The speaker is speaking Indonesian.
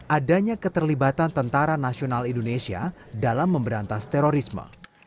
adanya keterlibatan tentara nasional indonesia dalam memberantas terorisme